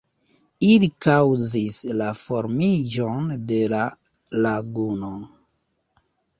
Ili kaŭzis la formiĝon de la laguno.